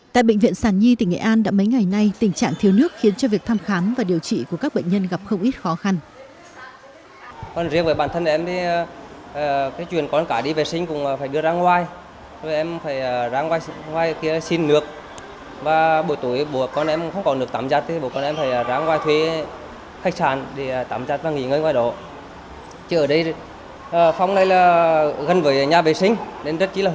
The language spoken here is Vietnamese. tại bệnh viện sản nhi tỉnh nghệ an đã mấy ngày nay tình trạng thiếu nước khiến cho việc thăm khám và điều trị của các bệnh nhân gặp không ít khó khăn